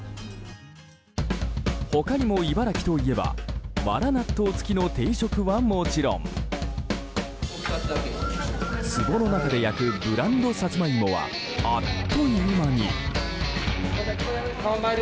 他にも茨城といえばわら納豆付きの定食はもちろんつぼの中で焼くブランドサツマイモはあっという間に。